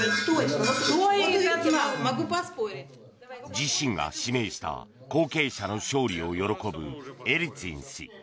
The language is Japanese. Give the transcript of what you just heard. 自身が指名した後継者の勝利を喜ぶエリツィン氏。